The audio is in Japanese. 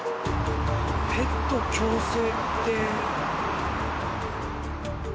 ペット共生って。